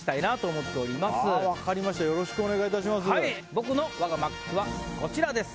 僕の我がＭＡＸはこちらです。